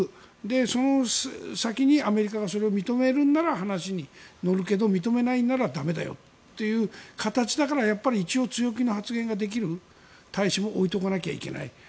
その先にアメリカがそれを認めるなら話に乗るけど認めないなら駄目だよという形だからやっぱり一応強気の発言ができる大使を置いておかないといけない。